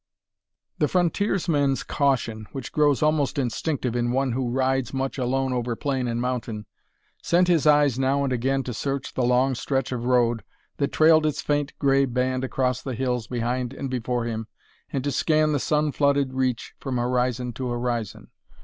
The frontiersman's caution, which grows almost instinctive in one who rides much alone over plain and mountain, sent his eyes now and again to search the long stretch of road that trailed its faint gray band across the hills behind and before him and to scan the sun flooded reach from horizon to horizon.